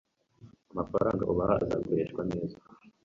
Amafaranga ubaha azakoreshwa neza